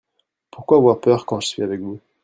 Pourquoi avoir peur quand je suis avec vous ?